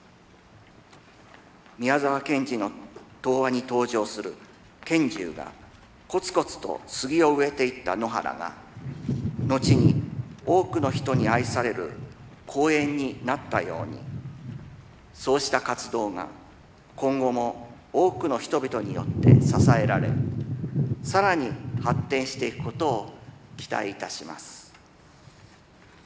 宮沢賢治の童話に登場する虔十がコツコツと杉を植えていった野原が後に多くの人に愛される公園になったようにそうした活動が今後も多くの人々によって支えられ更に発展していくことを期待いたします。